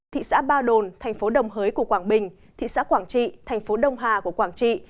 thị xã ba đồn thành phố đồng hới của quảng bình thị xã quảng trị thành phố đông hà của quảng trị